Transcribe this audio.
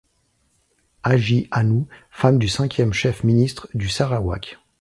Haji Anu, femme du cinquième chef Ministre du Sarawak.